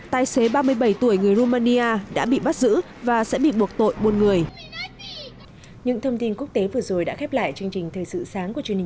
tài xế ba mươi bảy tuổi người romania đã bị bắt giữ và sẽ bị buộc tội buôn người